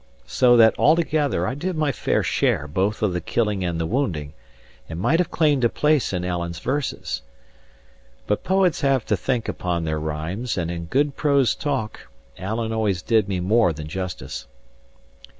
So that, altogether, I did my fair share both of the killing and the wounding, and might have claimed a place in Alan's verses. But poets have to think upon their rhymes; and in good prose talk, Alan always did me more than justice.